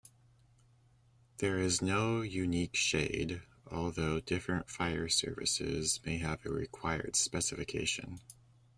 There is no unique shade, although different fire services may have a required specification.